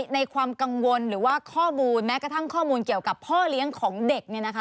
ในความกังวลหรือว่าข้อมูลแม้กระทั่งข้อมูลเกี่ยวกับพ่อเลี้ยงของเด็ก